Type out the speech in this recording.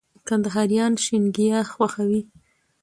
کندهاريان شينګياه خوښوي